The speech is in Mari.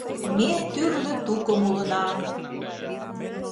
Ме тӱрлӧ тукым улына...